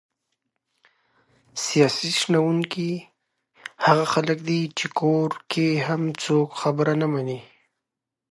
سیاسي شنونکي هغه خلک دي چې کور کې یې هم څوک خبره نه مني!